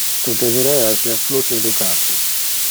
Tu deberea esser plus educate.